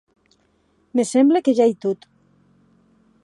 Me semble que ja ei tot.